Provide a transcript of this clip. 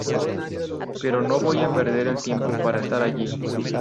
Pero no voy a perder el tiempo para estar allí"".